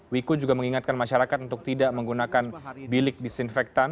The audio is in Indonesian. wiku juga mengingatkan masyarakat untuk tidak menggunakan bilik disinfektan